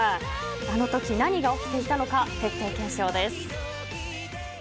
あのとき何が起きていたのか徹底検証です。